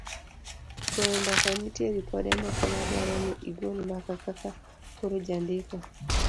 goyo mbaka nitie ripode moko ma dwaro ni igol mbaka kaka koro jandiko